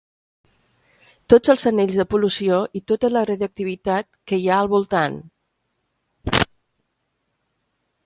Tots els anells de pol·lució i tota la radioactivitat que hi ha al voltant.